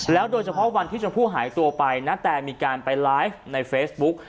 โดยเฉพาะวันที่ชมพู่หายตัวไปณแตมีการไปไลฟ์ในเฟซบุ๊ก